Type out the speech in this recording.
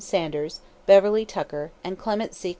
Sanders, Beverly Tucker, and Clement C.